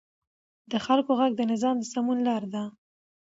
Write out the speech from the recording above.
د خلکو غږ د نظام د سمون لار ده